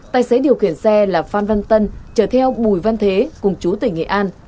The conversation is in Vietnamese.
tài xế điều khiển xe là phan văn tân chở theo bùi văn thế cùng chú tỉnh nghệ an